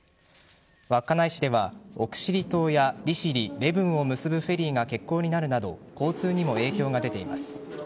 稚内市では、奥尻島や利尻・礼文を結ぶフェリーが欠航になるなど交通にも影響が出ています。